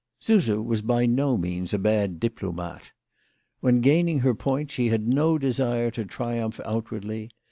Suse was by no means a bad diplomate. When gaining her point she had no desire to triumph out wardly.